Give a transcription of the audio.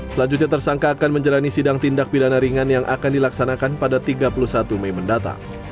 selanjutnya tersangka akan menjalani sidang tindak pidana ringan yang akan dilaksanakan pada tiga puluh satu mei mendatang